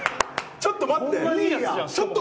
ちょっと待って！